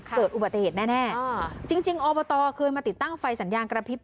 เกิดอุบัติเหตุแน่จริงอบตเคยมาติดตั้งไฟสัญญาณกระพริบ